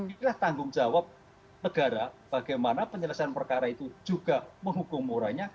inilah tanggung jawab negara bagaimana penyelesaian perkara itu juga menghukum moranya